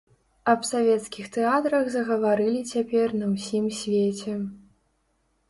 Аб савецкіх тэатрах загаварылі цяпер на ўсім свеце.